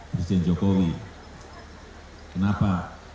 presiden jokowi kenapa